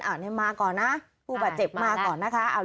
อันนี้มาก่อนนะผู้บาดเจ็บมาก่อนนะคะ